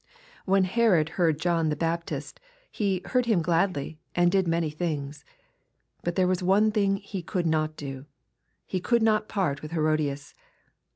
When Herod heard John the Baptist, he "heard him gladly and did many things." But there was one thing he could not do. He could not part with Herodias.